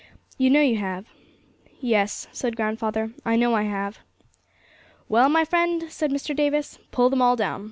You know you have. 'Yes,' said grandfather, 'I know I have.' 'Well, my friend,' said Mr. Davis, 'pull them all down.